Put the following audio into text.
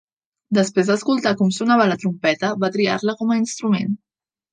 Després d'escoltar com sonava la trompeta, va triar-la com a instrument.